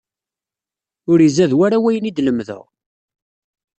Ur izad wara wayen ay d-lemdeɣ.